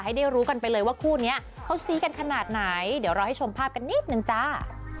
ให้ได้รู้กันไปเลยว่าคู่นี้เขาซี้กันขนาดไหนเดี๋ยวเราให้ชมภาพกันนิดนึงจ้า